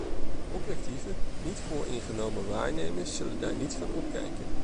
Objectieve, niet vooringenomen waarnemers zullen daar niet van opkijken.